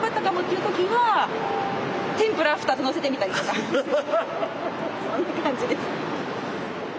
そんな感じです。